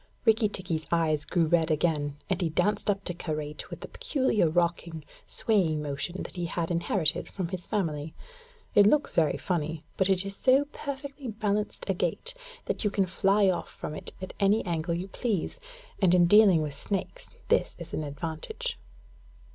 Rikki tikki's eyes grew red again, and he danced up to Karait with the peculiar rocking, swaying motion that he had inherited from his family. It looks very funny, but it is so perfectly balanced a gait that you can fly off from it at any angle you please; and in dealing with snakes this is an advantage.